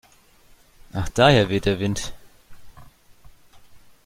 Ach daher weht der Wind.